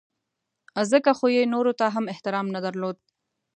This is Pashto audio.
ځکه خو یې نورو ته هم احترام نه درلود.